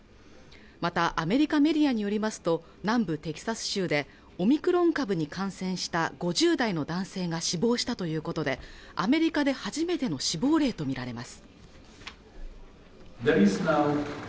またアメリカメディアによりますと南部テキサス州でオミクロン株に感染した５０代の男性が死亡したということでアメリカで初めての死亡例と見られます